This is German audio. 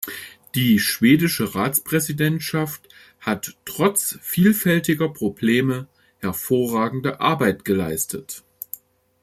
Die schwedische Ratspräsidentschaft hat trotz vielfältiger Probleme hervorragende Arbeit geleistet.